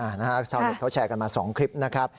ชาวเหล็กเขาแชร์กันมาสองคลิป